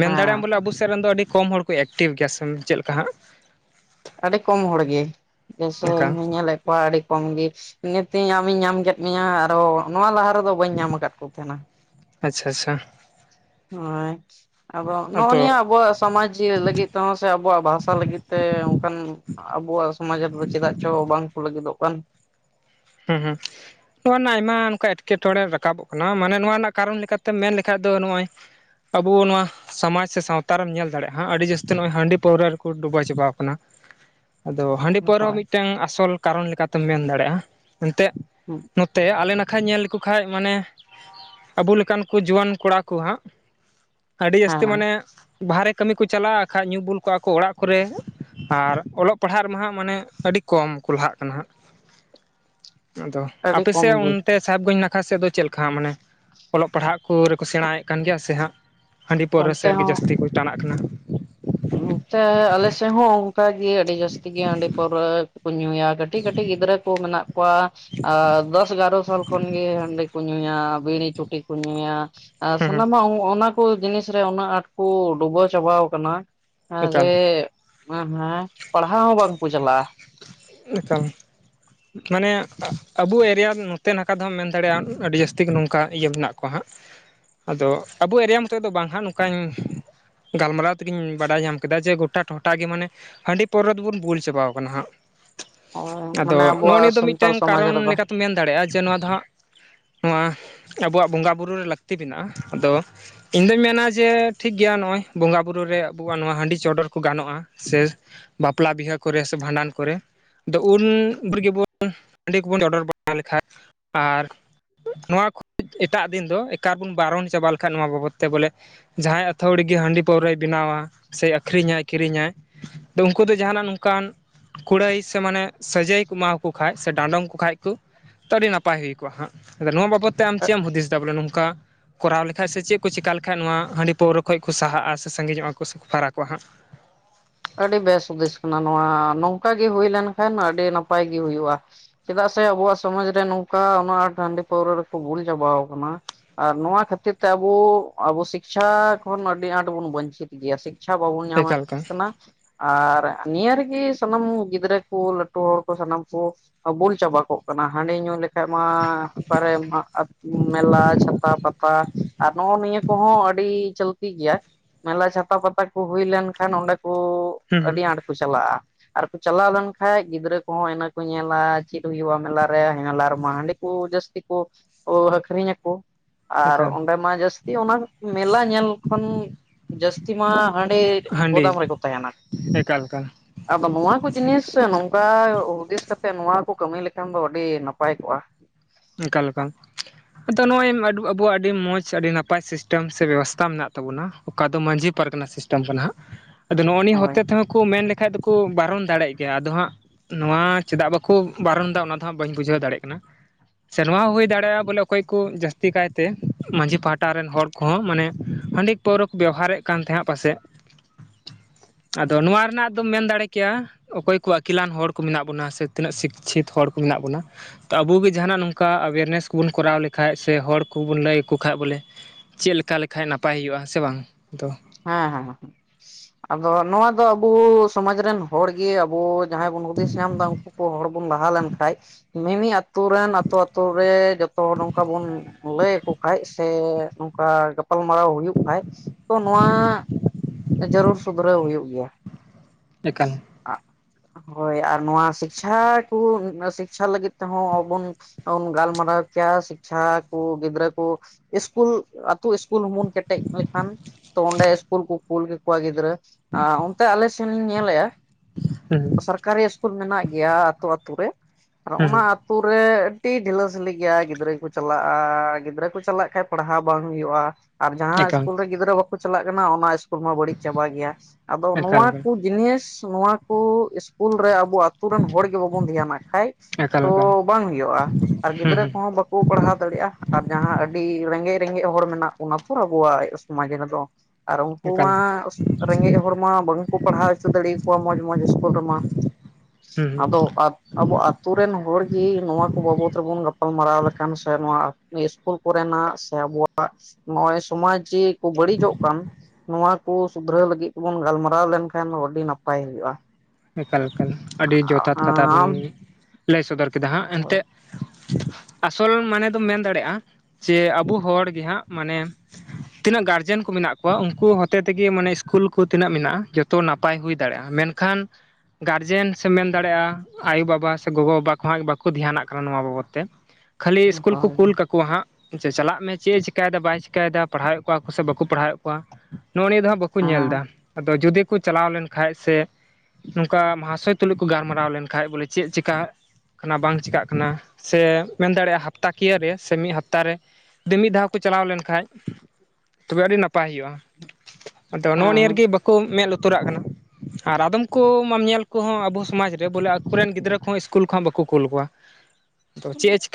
ᱢᱮᱱ ᱫᱟᱲᱮᱭᱼᱟᱢ ᱦᱮᱸ ᱵᱚᱞᱮ ᱟᱵᱚ ᱥᱮᱫ ᱨᱮᱱ ᱫᱚ ᱟᱹᱰᱤ ᱠᱚᱢ ᱦᱚᱲ ᱠᱚ ᱮᱠᱴᱤᱵᱷ ᱜᱮᱭᱟ ᱥᱮ ᱪᱮᱫ ᱞᱮᱠᱟ ᱦᱟᱸᱜ ᱟᱹᱰᱤ ᱠᱚᱢ ᱦᱚᱲ ᱜᱮ ᱡᱮᱭᱥᱮ ᱚᱱᱠᱟ ᱤᱧ ᱦᱚᱧ ᱧᱮᱞ ᱮᱫ ᱟᱹᱰᱤ ᱠᱚᱢ ᱜᱮ ᱤᱱᱟᱹ ᱛᱮ ᱟᱢᱤᱧ ᱧᱟᱢ ᱠᱮᱫ ᱢᱮᱭᱟ ᱟᱨ ᱦᱚ‍ᱸ ᱱᱚᱣᱟ ᱞᱟᱦᱟ ᱨᱮᱫᱚ ᱵᱟᱹᱧ ᱧᱟᱢ ᱟᱠᱟᱫ ᱠᱚ ᱛᱟᱦᱮᱸᱱᱟ ᱟᱪᱪᱷᱟ ᱟᱪᱪᱷᱟ ᱦᱳᱭ ᱟᱫᱚ ᱱᱚᱜᱼᱚᱭ ᱱᱤᱭᱟᱹ ᱟᱵᱚᱣᱟᱜ ᱥᱚᱢᱟᱡᱽ ᱞᱟᱹᱜᱤᱫ ᱛᱮᱦᱚᱸ ᱥᱮ ᱟᱵᱚᱣᱟᱜ ᱵᱷᱟᱥᱟ ᱞᱟᱹᱜᱤᱫ ᱛᱮ ᱚᱱᱠᱟᱱ ᱟᱵᱚᱣᱟᱜ ᱥᱚᱢᱟᱡᱽ ᱨᱮᱫᱚ ᱪᱮᱫᱟᱜ ᱪᱚ ᱵᱟᱝᱠᱚ ᱞᱟᱹᱜᱤᱫᱚᱜ ᱠᱟᱱ ᱦᱮᱸ ᱦᱮᱸ ᱱᱚᱣᱟ ᱨᱮᱱᱟᱜ ᱟᱭᱢᱟ ᱱᱚᱱᱠᱟ ᱮᱴᱠᱮᱴᱚᱬᱮ ᱨᱟᱠᱟᱵᱚᱜ ᱠᱟᱱᱟ ᱢᱟᱱᱮ ᱱᱚᱣᱟ ᱨᱮᱱᱟᱜ ᱠᱟᱨᱚᱱ ᱞᱮᱠᱟᱛᱮ ᱢᱮᱱ ᱞᱮᱠᱷᱟᱡ ᱫᱚ ᱱᱚᱜᱼᱚᱭ ᱟᱵᱚ ᱱᱚᱣᱟ ᱥᱚᱢᱟᱡᱽ ᱥᱮ ᱥᱟᱶᱛᱟ ᱨᱮᱢ ᱧᱮᱞ ᱫᱟᱲᱮ ᱭᱟᱜᱼᱟ ᱟᱹᱰᱤ ᱡᱟᱹᱥᱛᱤ ᱱᱚᱜᱼᱚᱭ ᱦᱟᱺᱰᱤ ᱯᱟᱹᱣᱨᱟᱹ ᱨᱮᱠᱚ ᱰᱩᱵᱟᱹᱣ ᱪᱟᱵᱟᱣᱟᱠᱟᱱᱟ ᱟᱫᱚ ᱦᱟᱺᱰᱤ ᱯᱟᱹᱣᱨᱟ ᱦᱚᱸ ᱦᱳᱭ ᱢᱤᱫᱴᱟᱝ ᱟᱥᱚᱞ ᱠᱟᱨᱚᱱ ᱞᱮᱠᱟᱛᱮᱢ ᱢᱮᱱ ᱫᱟᱲᱮᱭᱟᱜᱼᱟ ᱮᱱᱛᱮᱫ ᱦᱮᱸ ᱱᱚᱛᱮ ᱟᱞᱮ ᱱᱟᱠᱷᱟ ᱧᱮᱞ ᱞᱮᱠᱚ ᱠᱷᱟᱱ ᱢᱟᱱᱮ ᱟᱵᱚ ᱞᱮᱠᱟᱱ ᱠᱚ ᱡᱩᱣᱟᱹᱱ ᱠᱚᱲᱟ ᱠᱚ ᱦᱟᱸᱜ ᱟᱹᱰᱤ ᱡᱟᱹᱥᱛᱤ ᱢᱟᱱᱮ ᱵᱟᱦᱨᱮ ᱠᱟᱹᱢᱤ ᱠᱚ ᱪᱟᱞᱟᱜᱼᱟ ᱠᱷᱟᱡ ᱧᱩ ᱵᱩᱞ ᱠᱚᱜᱼᱟ ᱠᱚ ᱚᱲᱟᱜ ᱠᱚᱨᱮ ᱟᱨ ᱚᱞᱚᱜ ᱯᱟᱲᱦᱟᱜ ᱨᱮᱢᱟ ᱦᱟᱸᱜ ᱢᱟᱱᱮ ᱟᱹᱰᱤ ᱠᱚᱢ ᱠᱚ ᱞᱟᱦᱟᱜ ᱠᱟᱱᱟ ᱦᱟᱸᱜ ᱟᱫᱚ ᱟᱹᱰᱤ ᱠᱚᱢ ᱟᱯᱮᱥᱮᱫ ᱜᱮ ᱚᱱᱛᱮ ᱥᱟᱦᱮᱵᱽᱜᱚᱧᱡᱽ ᱱᱟᱠᱷᱟ ᱥᱮᱫ ᱫᱚ ᱪᱮᱫ ᱞᱮᱠᱟ ᱢᱟᱱᱮ ᱚᱞᱚᱜ ᱯᱟᱲᱦᱟᱜ ᱠᱚᱨᱮ ᱠᱚ ᱥᱮᱬᱟᱭᱮᱫᱼᱟ ᱠᱟᱱ ᱜᱮᱭᱟ ᱥᱮ ᱦᱟᱸᱜ ᱦᱟᱺᱰᱤ ᱯᱟᱹᱣᱨᱟᱹ ᱚᱱᱛᱮ ᱥᱮᱫ ᱨᱮᱜᱮ ᱦᱚᱸ ᱡᱟᱹᱥᱛᱤ ᱠᱚ ᱴᱟᱱᱟᱜ ᱠᱟᱱᱟ ᱱᱚᱛᱮ ᱟᱞᱮ ᱥᱮᱫ ᱦᱚᱸ ᱚᱱᱠᱟ ᱜᱮ ᱟᱹᱰᱤ ᱡᱟᱹᱥᱛᱤ ᱜᱮ ᱦᱟᱺᱰᱤ ᱯᱟᱹᱨᱣᱟᱹ ᱠᱚ ᱧᱩᱭᱟ ᱠᱟᱹᱴᱤᱡ ᱠᱟᱹᱴᱤᱡ ᱜᱤᱫᱽᱨᱟᱹ ᱠᱚ ᱢᱮᱱᱟᱜ ᱫᱚᱥ ᱮᱜᱟᱨᱚ ᱥᱟᱞ ᱠᱷᱚᱱ ᱜᱮ ᱦᱟᱺᱰᱤ ᱠᱚ ᱧᱩᱭᱟ ᱵᱤᱲᱤ ᱪᱩᱴᱤ ᱠᱚ ᱧᱩᱭᱟ ᱦᱮᱸ ᱦᱮᱸ ᱥᱟᱱᱟᱢᱟᱜ ᱚᱱᱟ ᱠᱚ ᱡᱤᱱᱤᱥ ᱨᱮ ᱩᱱᱟᱹᱜ ᱟᱸᱴ ᱠᱚ ᱰᱩᱵᱟᱹᱣ ᱪᱟᱵᱟ ᱟᱠᱟᱱᱟ ᱦᱮᱸ ᱮᱠᱟᱞ ᱡᱮ ᱦᱮᱸ ᱯᱟᱲᱦᱟᱣ ᱦᱚᱸ ᱵᱟᱝᱠᱚ ᱪᱟᱞᱟᱜᱼᱟ ᱮᱠᱟᱞ [inaudible] ᱢᱟᱱᱮ ᱟᱵᱚ ᱮᱨᱤᱭᱟ ᱱᱚᱛᱮ ᱱᱟᱠᱷᱟ ᱫᱚᱢ ᱢᱮᱱ ᱫᱟᱲᱮᱭᱟᱜᱼᱟ ᱟᱹᱰᱤ ᱡᱟᱹᱥᱛᱤ ᱜᱮ ᱱᱚᱝᱠᱟ ᱤᱭᱟᱹ ᱢᱮᱱᱟᱜ ᱠᱚᱣᱟ ᱦᱟᱸᱜ ᱟᱫᱚ ᱟᱵᱚ ᱮᱨᱤᱭᱟ ᱢᱚᱛᱚ ᱫᱚ ᱵᱟᱝ ᱦᱟᱜ ᱱᱚᱝᱠᱟᱧ ᱜᱟᱞᱢᱟᱨᱟᱣ ᱛᱮᱜᱮᱧ ᱵᱟᱰᱟᱭ ᱧᱟᱢ ᱠᱮᱫᱟ ᱡᱮ ᱜᱚᱴᱟ ᱴᱚᱴᱟᱜ ᱜᱮ ᱢᱟᱱᱮ ᱦᱟᱺᱰᱤ ᱯᱟᱹᱨᱣᱟ ᱛᱮ ᱵᱚᱱ ᱵᱩᱞ ᱪᱟᱵᱟᱣᱟᱠᱱᱟ ᱦᱟᱸᱜ ᱟᱫᱚ ᱢᱟᱱᱮ ᱱᱚᱜᱼᱚᱭ ᱟᱵᱚᱣᱟᱜ ᱱᱤᱛ ᱫᱚ ᱥᱟᱱᱛᱟᱞ ᱢᱤᱫᱴᱮᱱ ᱥᱚᱢᱟᱡᱽ ᱠᱟᱨᱚᱱ ᱨᱮᱫᱚ ᱞᱮᱠᱟᱛᱮᱢ ᱢᱮᱱ ᱫᱟᱲᱮᱭᱟᱜᱼᱟ ᱡᱮ ᱱᱚᱣᱟ ᱫᱚ ᱦᱟᱸᱜ ᱱᱚᱣᱟ ᱟᱵᱚᱣᱟᱜ ᱵᱚᱸᱜᱟ ᱵᱩᱨᱩ ᱨᱮ ᱞᱟᱹᱠᱛᱤ ᱢᱮᱱᱟᱜᱼᱟ ᱟᱫᱚ ᱤᱧ ᱫᱩᱧ ᱢᱮᱱᱟ ᱡᱮ ᱴᱷᱤᱠ ᱜᱮᱭᱟ ᱱᱚᱜᱼᱚᱭ ᱵᱚᱸᱜᱟ ᱵᱳᱨᱳ ᱨᱮ ᱟᱵᱚᱣᱟᱜ ᱱᱚᱣᱟ ᱦᱟᱺᱰᱤ ᱪᱚᱰᱚᱨ ᱠᱚ ᱜᱟᱱᱚᱜᱼᱟ ᱥᱮ ᱵᱟᱯᱞᱟ ᱵᱤᱦᱟᱹ ᱠᱚᱨᱮ ᱥᱮ ᱵᱷᱟᱸᱰᱟᱱ ᱠᱚᱨᱮ ᱟᱫᱚ ᱩᱱ ᱨᱮᱜᱮ ᱵᱚᱱ ᱦᱟᱺᱰᱤ ᱠᱚᱵᱚᱱ ᱪᱚᱰᱚᱨ ᱵᱟᱲᱟ ᱞᱮᱠᱟᱱ ᱟᱨ ᱱᱚᱣᱟ ᱠᱚ ᱮᱴᱟᱜ ᱫᱤᱱ ᱫᱚ ᱮᱠᱟᱨ ᱵᱚᱱ ᱵᱟᱨᱚᱱ ᱪᱟᱵᱟ ᱞᱮᱠᱷᱟᱡ ᱱᱚᱣᱟ ᱵᱟᱵᱚᱫᱽ ᱛᱮ ᱵᱚᱞᱮ ᱡᱟᱦᱟᱸᱭ ᱟᱹᱛᱲᱤ ᱜᱮ ᱦᱟᱺᱰᱤ ᱯᱟᱹᱣᱨᱟᱹᱭ ᱵᱮᱱᱟᱣᱟ ᱥᱮ ᱟᱠᱷᱨᱤᱧᱟᱭ ᱠᱤᱨᱤᱧᱟᱭ ᱛᱚ ᱩᱱᱠᱩ ᱫᱚ ᱡᱟᱦᱟᱱᱟᱜ ᱱᱚᱝᱠᱟᱱ ᱠᱩᱲᱟᱹᱭ ᱢᱟᱱᱮ ᱥᱟᱡᱟᱹᱭ ᱠᱚ ᱮᱢᱟᱣᱟᱠᱚ ᱠᱷᱟᱡ ᱥᱮ ᱰᱟᱸᱰᱚᱢ ᱠᱚ ᱠᱷᱟᱱᱡ ᱠᱚ ᱛᱚ ᱟᱹᱰᱤ ᱱᱟᱯᱟᱭ ᱦᱩᱭ ᱠᱚᱜᱼᱟ ᱦᱟᱸᱜ ᱟᱫᱚ ᱱᱚᱣᱟ ᱵᱟᱵᱚᱫ ᱛᱮ ᱟᱢ ᱪᱮᱫ ᱮᱢ ᱦᱩᱫᱤᱥ ᱮᱟ ᱵᱚᱞᱮ ᱱᱚᱝᱠᱟ ᱠᱚᱨᱟᱣ ᱞᱮᱠᱷᱟᱡ ᱥᱮ ᱪᱮᱫ ᱠᱚ ᱪᱤᱠᱟ ᱞᱮᱠᱷᱟᱡ ᱱᱚᱣᱟ ᱦᱟᱺᱰᱤ ᱯᱟᱹᱣᱨᱟᱹ ᱠᱷᱚᱡ ᱠᱚ ᱥᱟᱦᱟᱜᱼᱟ ᱥᱮ ᱥᱟᱺᱜᱤᱧᱚᱜᱼᱟ ᱠᱚ ᱥᱮ ᱯᱷᱟᱨᱟ ᱠᱚᱼᱟ ᱦᱟᱸᱜ ᱟᱹᱰᱤ ᱵᱮᱥ ᱦᱩᱫᱮᱥ ᱠᱟᱱᱟ ᱱᱚᱣᱟ ᱱᱚᱝᱠᱟ ᱜᱮ ᱦᱩᱭ ᱞᱮᱱᱠᱷᱟᱱ ᱟᱹᱰᱤ ᱱᱟᱯᱟᱭ ᱜᱮ ᱦᱩᱭᱩᱜᱼᱟ ᱪᱮᱫᱟᱜ ᱥᱮ ᱟᱵᱚᱣᱟᱜ ᱥᱚᱢᱟᱡᱽ ᱨᱮ ᱱᱚᱝᱠᱟ ᱩᱱᱟᱹᱜ ᱟᱸᱴ ᱦᱟᱺᱰᱤ ᱯᱟᱹᱣᱨᱟᱹ ᱨᱮᱠᱚ ᱵᱷᱩᱞ ᱪᱟᱵᱟᱣ ᱠᱟᱱᱟ ᱟᱨ ᱱᱚᱣᱟ ᱠᱷᱟᱹᱛᱤᱨ ᱛᱮ ᱟᱵᱚ ᱟᱵᱚ ᱥᱤᱠᱷᱟ ᱠᱷᱚᱱ ᱟᱹᱰᱤ ᱟᱸᱴ ᱵᱚᱱ ᱵᱟᱧ ᱪᱤᱛ ᱜᱮᱭᱟ ᱤᱪᱷᱟ ᱵᱟᱵᱚᱱ ᱧᱟᱢᱮᱫ ᱮᱠᱟᱞ ᱮᱠᱟᱞ ᱠᱟᱱᱟ ᱟᱨ ᱱᱤᱭᱟᱹ ᱨᱮᱜᱮ ᱥᱟᱱᱟᱢ ᱜᱤᱫᱽᱨᱟᱹ ᱠᱚ ᱞᱟᱹᱴᱩ ᱦᱚᱲ ᱠᱚ ᱥᱟᱱᱟᱢ ᱠᱚ ᱵᱩᱞ ᱪᱟᱵᱟ ᱠᱚᱜ ᱠᱟᱱᱟ ᱦᱟᱺᱰᱤ ᱧᱩ ᱞᱮᱠᱷᱟᱱ ᱢᱟ ᱚᱠᱟᱨᱮ ᱢᱮᱞᱟ ᱪᱷᱟᱛᱟ ᱯᱟᱛᱟ ᱟᱨ ᱱᱚᱜᱼᱚ ᱱᱤᱭᱟᱹ ᱠᱚᱦᱚᱸ ᱟᱹᱰᱤ ᱪᱚᱞᱛᱤ ᱜᱮᱭᱟ ᱢᱮᱞᱟ ᱪᱷᱟᱛᱟ ᱯᱟᱛᱟ ᱠᱚ ᱦᱩᱭ ᱞᱮᱱᱠᱷᱟᱱ ᱚᱸᱰᱮ ᱠᱚ ᱦᱩᱸ ᱦᱩᱸ ᱟᱹᱰᱤ ᱟᱸᱴ ᱠᱚ ᱪᱟᱞᱟᱜᱼᱟ ᱟᱨᱠᱚ ᱪᱟᱞᱟᱣ ᱞᱮᱱᱠᱷᱟᱡ ᱜᱤᱫᱽᱨᱟᱹ ᱠᱚᱦᱚᱸ ᱤᱱᱟᱹ ᱠᱚ ᱧᱮᱞᱟ ᱪᱮᱫ ᱦᱩᱭᱩᱜᱼᱟ ᱢᱮᱞᱟ ᱨᱮ ᱢᱮᱞᱟ ᱨᱮᱢᱟ ᱦᱟᱸᱰᱮ ᱠᱚ ᱡᱟᱹᱥᱛᱤ ᱠᱚ ᱦᱠᱷᱨᱤᱧ ᱟᱠᱚ ᱟᱨ ᱮᱠᱟᱞ ᱚᱸᱰᱮ ᱢᱟ ᱡᱟᱹᱥᱛᱤ ᱚᱱᱟ ᱢᱮᱞᱟ ᱧᱮᱞ ᱠᱷᱚᱱ ᱡᱟᱹᱥᱛᱤ ᱢᱟ ᱦᱟᱸᱰᱮ ᱦᱟᱺᱰᱤ ᱜᱚᱫᱟᱢ ᱨᱮᱠᱚ ᱛᱟᱦᱮᱱᱟ ᱮᱠᱟᱞ ᱮᱠᱟᱞ ᱟᱫᱚ ᱱᱚᱣᱟ ᱠᱚ ᱡᱤᱱᱤᱥ ᱱᱚᱝᱠᱟ ᱦᱩᱫᱤᱥ ᱠᱟᱛᱮ ᱱᱚᱣᱟ ᱠᱚ ᱠᱟᱹᱢᱤ ᱞᱮᱠᱷᱟᱱ ᱫᱚ ᱟᱹᱰᱤ ᱱᱟᱯᱟᱭ ᱠᱚᱜᱼᱟ ᱚᱱᱠᱟ ᱞᱮᱠᱟ ᱟᱫᱚ ᱱᱚᱜᱚᱭ ᱟᱵᱚᱣᱟᱜ ᱟᱹᱰᱤ ᱢᱚᱸᱡᱽ ᱟᱹᱰᱤ ᱱᱟᱯᱟᱭ ᱥᱤᱥᱴᱮᱢ ᱥᱮ ᱵᱮᱵᱚᱥᱛᱟ ᱢᱮᱱᱟᱜ ᱛᱟᱵᱚᱱᱟ ᱚᱠᱟ ᱫᱚ ᱢᱟᱺᱡᱷᱤ ᱯᱟᱨᱠᱟᱱᱟ ᱥᱤᱥᱴᱮᱢ ᱠᱚᱜ [inaudible] ᱟᱫᱚ ᱱᱚᱜᱼᱚ ᱱᱤ ᱦᱳᱭ ᱦᱚᱛᱮ ᱛᱮᱦᱚᱸ ᱠᱚ ᱢᱮᱱ ᱞᱮᱠᱷᱟᱡ ᱫᱚᱠᱚ ᱵᱟᱨᱚᱱ ᱫᱟᱲᱮᱭᱟᱜ ᱜᱮᱭᱟ ᱟᱫᱚ ᱦᱟᱸᱜ ᱱᱚᱣᱟ ᱪᱮᱫᱟᱜ ᱵᱟᱠᱚ ᱵᱟᱨᱚᱱ ᱫᱟ ᱚᱱᱟ ᱫᱚᱜ ᱵᱟᱹᱧ ᱵᱩᱡᱷᱟᱹᱣ ᱫᱟᱲᱮᱭᱟᱜ ᱠᱟᱱᱟ ᱥᱮᱨᱢᱟ ᱦᱩᱭ ᱫᱟᱲᱮᱭᱟᱜᱼᱟ ᱵᱚᱞᱮ ᱚᱠᱚᱭ ᱠᱚ ᱡᱟᱹᱥᱛᱤ ᱠᱟᱭᱛᱮ ᱢᱟᱺᱡᱷᱤ ᱯᱟᱦᱴᱟ ᱨᱮᱱ ᱦᱚᱲ ᱠᱚᱦᱚᱸ ᱢᱟᱱᱮ ᱦᱟᱺᱰᱤ ᱯᱣᱟᱹᱨᱟᱠᱽ ᱵᱮᱣᱦᱟᱨᱮᱫ ᱠᱟᱱ ᱛᱟᱦᱮᱸᱫ ᱯᱟᱥᱮᱡ [inaudible] ᱟᱫᱚ ᱱᱚᱣᱟ ᱨᱮᱱᱟᱜ ᱫᱚᱢ ᱢᱮᱱ ᱫᱟᱲᱮ ᱠᱮᱭᱟ ᱚᱠᱚᱭ ᱠᱚ ᱟᱹᱠᱤᱞᱟᱱ ᱦᱚᱲ ᱠᱚ ᱢᱮᱱᱟᱜ ᱵᱚᱱᱟ ᱥᱮ ᱛᱤᱱᱟᱹᱜ ᱥᱤᱪᱷᱤᱛ ᱦᱚᱲ ᱠᱚ ᱢᱮᱱᱟᱜ ᱵᱚᱱᱟ ᱛᱚ ᱟᱵᱚ ᱜᱮ ᱡᱟᱦᱟᱱᱟᱜ ᱱᱚᱝᱠᱟ ᱚᱱᱠᱟ ᱮᱣᱮᱨᱱᱮᱥ ᱠᱚᱵᱚᱱ ᱠᱚᱨᱟᱣ ᱞᱮᱠᱟᱱᱡ ᱥᱮ ᱦᱚᱲ ᱠᱚᱵᱚᱱ ᱞᱟᱹᱭ ᱟᱠᱚ ᱠᱷᱟᱱ ᱵᱚᱞᱮ ᱪᱮᱫ ᱞᱮᱠᱟ ᱞᱮᱠᱷᱟᱡ ᱱᱟᱯᱟᱭ ᱦᱩᱭᱩᱜᱼᱟ ᱥᱮ ᱵᱟᱝ ᱛᱚ ᱦᱮᱸ ᱦᱮᱸ ᱟᱫᱚ ᱱᱚᱣᱟ ᱫᱚ ᱟᱵᱚ ᱥᱚᱢᱟᱡ ᱨᱮᱱ ᱦᱚᱲᱜᱮ ᱟᱵᱚ ᱡᱟᱦᱟᱸᱭ ᱵᱩᱱ ᱦᱩᱫᱤᱥ ᱧᱟᱢ ᱫᱟ ᱩᱱᱠᱩ ᱠᱚ ᱦᱚᱲ ᱵᱚᱱ ᱞᱟᱦᱟ ᱞᱮᱱᱠᱷᱟᱡ ᱢᱤᱢᱤ ᱟᱛᱩᱨ ᱨᱮᱱ ᱟᱹᱛᱩ ᱟᱛᱩᱨ ᱨᱮ ᱡᱚᱛᱚ ᱦᱚᱲ ᱱᱚᱝᱠᱟ ᱵᱩᱱ ᱞᱟᱹᱭ ᱟᱠᱚ ᱠᱷᱟᱡ ᱥᱮ ᱱᱚᱝᱠᱟ ᱜᱟᱯᱟᱞᱢᱟᱨᱟᱣ ᱦᱩᱭᱩᱜ ᱠᱷᱟᱡ ᱛᱚ ᱱᱚᱣᱟ ᱡᱟᱹᱨᱩᱲ ᱥᱩᱫᱷᱨᱟᱹᱣ ᱦᱩᱭᱩᱜ ᱜᱮᱭᱟ ᱮᱠᱟᱞ ᱦᱳᱭ ᱟᱨ ᱱᱚᱣᱟ ᱥᱤᱠᱪᱷᱟ ᱠᱚ ᱥᱤᱠᱪᱷᱟ ᱞᱟᱹᱜᱤᱫ ᱛᱮᱦᱚᱸ ᱟᱵᱚ ᱵᱚᱱ ᱟᱢ ᱜᱟᱞᱢᱟᱨ ᱪᱟ ᱥᱤᱠᱪᱷᱟ ᱠᱩ ᱜᱤᱫᱽᱨᱟᱹ ᱠᱩ ᱤᱥᱠᱩᱞ ᱟ ᱛᱩ ᱤᱥᱠᱩᱞ ᱦᱚᱸᱵᱩᱱ ᱠᱮᱴᱮᱡ ᱞᱮᱠᱷᱟᱱ᱾ ᱛᱚ ᱚᱸᱰᱮ ᱤᱥᱠᱩᱞ ᱠᱩ ᱠᱩᱞ ᱠᱮᱠᱚᱣᱟ ᱜᱤᱫᱽᱨᱟᱹ ᱟᱸ ᱚᱱᱛᱮ ᱟᱞᱮ ᱥᱮᱱ ᱤᱧ ᱧᱮᱞᱮᱜᱼᱟ ᱦᱩᱸ ᱥᱟᱨᱠᱟᱨᱤ ᱤᱥᱠᱩᱞ ᱢᱮᱱᱟᱜ ᱜᱮᱭᱟ ᱟᱛᱳ ᱟᱛᱳ ᱨᱮ, ᱟᱨ ᱦᱩᱸ ᱚᱱᱟ ᱟᱛᱳ ᱨᱮ ᱟᱹᱰᱤ ᱰᱷᱤᱞᱟᱹᱥᱤᱞᱤ ᱜᱮᱭᱟ ᱜᱤᱫᱽᱨᱟᱹ ᱠᱚ ᱪᱟᱞᱟᱜᱼᱟ ᱜᱤᱫᱽᱨᱟᱹ ᱠᱚ ᱪᱟᱞᱟᱜ ᱠᱷᱟᱡ ᱯᱟᱲᱦᱟᱣ ᱵᱟᱝ ᱦᱩᱭᱩᱜᱼᱟ᱾ ᱟᱨ ᱡᱟᱦᱟᱸ ᱮᱠᱟᱞ ᱤᱥᱠᱩᱞ ᱨᱮ ᱜᱤᱫᱽᱨᱟᱹ ᱵᱟᱠᱚ ᱪᱟᱞᱟᱜ ᱠᱟᱱᱟ ᱚᱱᱟ ᱤᱥᱠᱩᱞ ᱢᱟ ᱵᱟᱹᱲᱤᱡ ᱪᱟᱵᱟ ᱜᱮᱭᱟ ᱟᱫᱚ ᱮᱠᱟᱞ ᱱᱚᱣᱟ ᱠᱚ ᱡᱤᱱᱤᱥ ᱱᱚᱣᱟ ᱠᱚ ᱤᱥᱠᱩᱞ ᱨᱮ ᱟᱵᱚ ᱟᱛ ᱟᱛᱳ ᱨᱮᱱ ᱦᱚᱲ ᱜᱮ ᱵᱟᱵᱚᱱ ᱫᱷᱮᱟᱱᱟ ᱠᱷᱟᱱᱡ ᱮᱠᱟᱞ ᱮᱠᱟᱞ ᱛᱚ ᱵᱟᱝ ᱦᱩᱭᱩᱜᱼᱟ ᱟᱨ ᱦᱩᱸ ᱜᱤᱫᱽᱨᱟᱹ ᱦᱩᱸ ᱠᱚᱦᱚᱸ ᱵᱟᱠ ᱠᱚ ᱯᱟᱲᱦᱟᱣ ᱫᱟᱲᱮᱭᱟᱜᱼᱟ ᱟᱨ ᱡᱟᱦᱟᱸ ᱟᱹᱰᱤ ᱨᱮᱸᱜᱮᱡ ᱨᱮᱸᱜᱮᱡ ᱦᱚᱲ ᱢᱮᱱᱟᱜ ᱚᱱᱟ ᱛᱚ ᱟᱵᱚᱣᱟᱜ ᱥᱚᱢᱟᱡᱽ ᱨᱮᱫᱚ ᱟᱨ ᱩᱱᱠᱩ ᱮᱠᱟᱞ ᱦᱟᱸ ᱨᱮᱸᱜᱮᱡ ᱦᱚᱲ ᱢᱟ ᱵᱟᱝᱠᱚ ᱯᱟᱲᱦᱟᱣ ᱦᱚᱪᱚ ᱫᱟᱲᱮ ᱟᱠᱚᱣᱟ ᱢᱚᱸᱡᱽ ᱢᱚᱸᱡᱽ ᱤᱥᱠᱩᱞ ᱨᱮᱢᱟ ᱦᱩᱸ ᱦᱩᱸ ᱟᱫᱚ ᱟᱫ ᱟᱵᱚ ᱟᱛᱳ ᱨᱮᱱ ᱦᱚᱲᱜᱮ ᱱᱚᱣᱟ ᱠᱚ ᱵᱟᱵᱚᱫ ᱨᱮᱵᱚᱱ ᱜᱟᱯᱟᱞ ᱢᱟᱨᱟᱨᱟᱣ ᱞᱮᱠᱷᱟᱱ ᱥᱮ ᱱᱚᱣᱟ ᱤᱥᱠᱩᱞ ᱠᱚᱨᱮᱱᱟᱜ ᱥᱮ ᱟᱵᱚᱣᱟᱜ ᱱᱚᱜ ᱚᱭ ᱥᱚᱢᱟᱡ ᱠᱚ ᱵᱟᱹᱲᱤᱡᱚᱜ ᱱᱚᱣᱟ ᱠᱚ ᱥᱩᱫᱷᱨᱟᱹᱣ ᱞᱟᱹᱜᱤᱫ ᱛᱮᱵᱚᱱ ᱜᱟᱞᱢᱟᱨᱟᱣ ᱞᱮᱱᱠᱷᱟᱱ ᱫᱚ ᱟᱹᱰᱤ ᱱᱟᱯᱟᱭ ᱦᱩᱭᱩᱜᱼᱟ ᱮᱠᱟᱞ ᱠᱟᱱᱟ ᱟᱹᱰᱤ ᱡᱚᱛᱷᱟᱛ ᱠᱟᱛᱷᱟ ᱵᱮᱱ ᱟᱢ ᱞᱟᱹᱭ ᱥᱚᱫᱚᱨ ᱠᱮᱫᱟ ᱦᱟᱸᱜ, ᱮᱱᱛᱮᱜ [inaudible] ᱟᱥᱚᱞ ᱢᱟᱱᱮ ᱫᱚᱢ ᱢᱮᱱ ᱫᱟᱲᱮᱭᱟᱜᱼᱟ ᱡᱮ ᱟᱵᱚ ᱦᱚᱲ ᱜᱮ ᱦᱟᱸᱜ ᱢᱟᱱᱮ [inaudible] ᱛᱤᱱᱟᱹᱜ ᱜᱟᱨᱡᱮᱱ ᱠᱩ ᱢᱮᱱᱟᱜ ᱠᱚᱣᱟ ᱩᱱᱠᱩ ᱦᱚᱛᱮ ᱛᱮᱜᱮ ᱢᱟᱱᱮ ᱤᱥᱠᱩᱞ ᱠᱩ ᱛᱤᱱᱟᱹᱜ ᱢᱮᱱᱟᱜᱼᱟ ᱡᱚᱛᱚ ᱱᱟᱯᱟᱭ ᱦᱩᱭ ᱫᱟᱲᱮᱭᱟᱜᱼᱟ, ᱢᱮᱱᱠᱷᱟᱱ ᱜᱟᱨᱡᱮᱱ ᱥᱮᱢ ᱢᱮᱱ ᱫᱟᱲᱮᱭᱟᱜᱼᱟ ᱟᱭᱳ ᱵᱟᱵᱟ ᱥᱮ ᱜᱚᱜᱚᱼᱵᱟᱵᱟ ᱠᱚᱦᱟᱸᱜ ᱵᱟᱠᱩ ᱫᱷᱮᱭᱟᱱᱟᱜ ᱠᱟᱱᱟ ᱱᱚᱣᱟ ᱵᱟᱵᱚᱛ ᱛᱮ᱾ ᱠᱷᱟᱹᱞᱤ ᱤᱥᱠᱩᱞ ᱠᱩ ᱦᱮᱸ ᱠᱩᱞ ᱠᱟᱠᱚᱣᱟ ᱦᱟᱸᱜ᱾ ᱪᱟᱹᱼᱪᱟᱞᱟᱜ ᱢᱮ ᱪᱮᱫ ᱮ ᱪᱮᱠᱟᱭ ᱫᱟ ᱵᱟᱭ ᱪᱮᱠᱟᱹᱭᱮᱫᱟ ᱯᱟᱲᱦᱟᱣᱮᱫ ᱠᱚᱣᱟ ᱠᱚ ᱥᱮ ᱵᱟᱠᱚ ᱯᱟᱲᱦᱟᱣᱮᱫ ᱠᱚᱣᱟ᱾ ᱱᱚᱜ ᱱᱤᱭᱟᱹ ᱫᱚ ᱦᱟᱜ ᱵᱟᱠᱩ ᱧᱮᱞ ᱫᱟ ᱟᱫᱚ ᱡᱩᱫᱤ ᱠᱩ ᱪᱟᱞᱟᱣ ᱞᱮᱱ ᱠᱷᱟᱡ ᱥᱮ ᱱᱚᱝᱠᱟ ᱢᱚᱦᱟᱥᱚᱭ ᱛᱩᱞᱩᱡ ᱠᱚ ᱜᱟᱞᱢᱟᱨᱟᱣ ᱞᱮᱱᱠᱷᱟᱡ ᱵᱚᱞᱮ ᱪᱮᱫ ᱪᱮᱠᱟ ᱠᱟᱱᱟ ᱵᱟᱝ ᱪᱤᱠᱟᱜ ᱠᱟᱱᱟ ᱥᱮ ᱢᱮᱱ ᱫᱟᱲᱮᱭᱟᱜᱼᱟ ᱦᱟᱯᱛᱟ ᱠᱤᱭᱟᱹ ᱨᱮ ᱥᱮ ᱢᱤᱫ ᱦᱟᱯᱛᱟ ᱨᱮ᱾ ᱫᱚ ᱢᱤᱫ ᱫᱷᱟᱣ ᱠᱚ ᱪᱟᱞᱟᱣ ᱞᱮᱱᱠᱷᱟᱡ ᱛᱚᱵᱮ ᱟᱹᱰᱤ ᱱᱟᱯᱟᱭ ᱦᱳᱭᱳᱜᱼᱟ᱾ ᱟᱫᱚ ᱱᱚᱜᱼᱚ ᱦᱮᱸ ᱱᱤᱭᱟᱹ ᱨᱮᱜᱮ ᱵᱟᱠᱩ ᱢᱮᱜ ᱞᱩᱛᱩᱨᱟᱜ ᱠᱟᱱᱟ, ᱟᱨ ᱟᱫᱚᱢ ᱠᱳ ᱢᱟᱢ ᱧᱮᱞ ᱠᱚᱦᱚᱸ ᱟᱵᱚ ᱥᱚᱢᱟᱡᱽ ᱨᱮ ᱵᱚᱞᱮ ᱟᱠᱚᱨᱮᱱ ᱜᱤᱫᱽᱨᱟᱹ ᱠᱚᱦᱚᱸ ᱤᱥᱠᱩᱞ ᱠᱚᱦᱚᱸ ᱵᱟᱠᱚ ᱠᱩᱞ ᱠᱚᱣᱟ᱾ ᱯᱚᱨᱮ ᱪᱮᱜ ᱮ ᱪᱮᱠᱟ